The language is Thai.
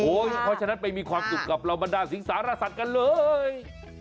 เพราะฉะนั้นไปมีความสุขกับเหล่าบรรดาสิงสารสัตว์กันเลย